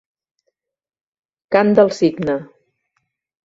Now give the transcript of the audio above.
Cant del cigne.